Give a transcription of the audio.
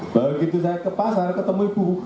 begitu saya ke pasar ketemu ibu